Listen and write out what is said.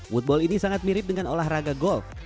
woodball ini sangat mirip dengan olahraga golf